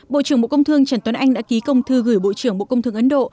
bộ trưởng bộ công thương trần tuấn anh đã ký công thư gửi bộ trưởng bộ công thương ấn độ